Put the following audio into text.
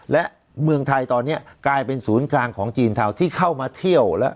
และเมืองไทยตอนนี้กลายเป็นศูนย์กลางของจีนเทาที่เข้ามาเที่ยวและ